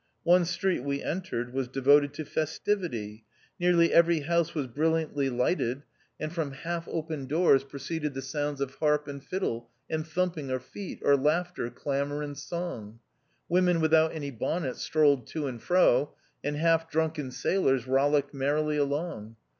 One street we entered, was devoted to festivity. Nearly every house was brilliantly lighted, and from half THE OUTCAST. 201 open doors proceeded the sounds of harp and fiddle, and thumping of feet; or laughter, clamour, and song. Women without any bonnets strolled to and fro, and half drunken sailors rollicked merrily along.